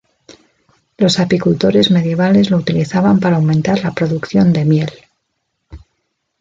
Los apicultores medievales lo utilizaban para aumentar la producción de miel.